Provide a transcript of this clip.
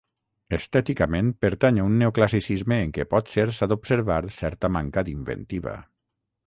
Estèticament pertany a un neoclassicisme en què potser s'ha d'observar certa manca d'inventiva.